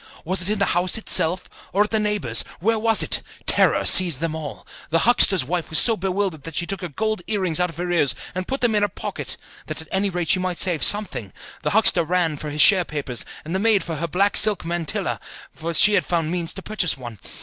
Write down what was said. Was it in the house itself, or at a neighbour's? Where was it? Terror seized on all. The huckster's wife was so bewildered that she took her gold earrings out of her ears and put them in her pocket, that at any rate she might save something; the huckster ran for his share papers; and the maid for her black silk mantilla, for she had found means to purchase one.